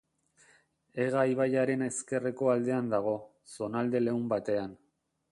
Ega ibaiaren ezkerreko aldean dago, zonalde leun batean.